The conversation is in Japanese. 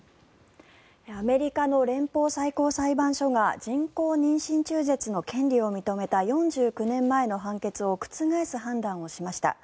アメリカの連邦最高裁判所が人工妊娠中絶の権利を認めた４９年前の判決を覆す判断をしました。